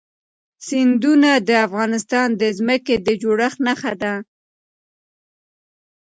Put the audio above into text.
سیندونه د افغانستان د ځمکې د جوړښت نښه ده.